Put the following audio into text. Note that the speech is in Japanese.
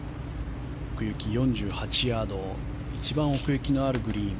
奥行き４８ヤード一番奥行きのあるグリーン。